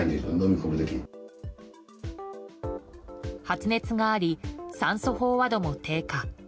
発熱があり、酸素飽和度も低下。